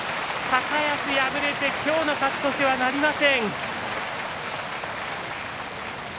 高安、敗れて今日の勝ち越しはなりません。